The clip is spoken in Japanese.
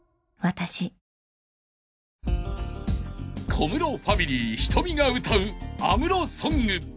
［小室ファミリーｈｉｔｏｍｉが歌う安室ソング］